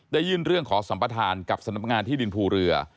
ได้ยื่นเรื่องขอสัมปทานกับสนับงานที่ดินภูเรือ